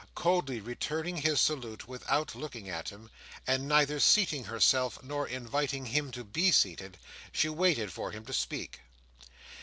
Coldly returning his salute without looking at him, and neither seating herself nor inviting him to be seated, she waited for him to speak.